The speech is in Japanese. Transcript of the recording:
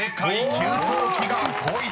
「給湯器」が５位です］